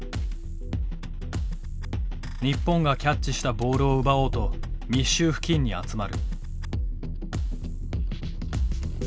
日本がキャッチしたボールを奪おうと密集付近に集まる。